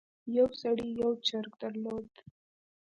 یو سړي یو چرګ درلود.